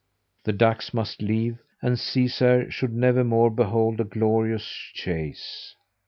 The ducks must leave, and Caesar should nevermore behold a glorious chase.